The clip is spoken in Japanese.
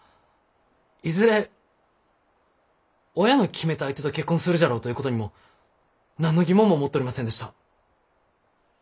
いずれ親の決めた相手と結婚するじゃろうということにも何の疑問も持っとりませんでした。